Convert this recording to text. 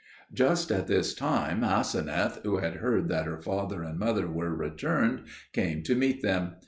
Just at this time, Aseneth, who had heard that her father and mother were returned, came to meet them.